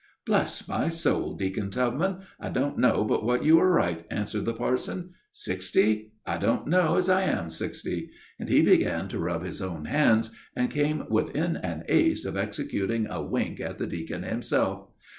"Bless my soul, Deacon Tubman, I don't know but that you are right!" answered the parson. "Sixty? I don't know as I am sixty," and he began to rub his own hands, and came within an ace of executing a wink at the deacon, himself.